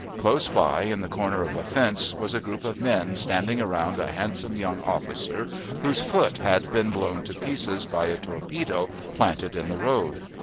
Close by, in the corner of a fence, was a group of men standing around a handsome young officer, whose foot had been blown to pieces by a torpedo planted in the road.